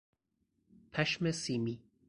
پشم سیمی